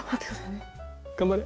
頑張れ。